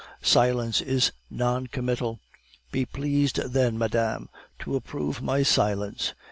Silence is non committal; be pleased then, madame, to approve my silence.